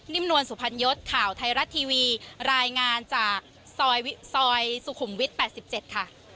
นวลสุพรรณยศข่าวไทยรัฐทีวีรายงานจากซอยสุขุมวิทย์๘๗ค่ะ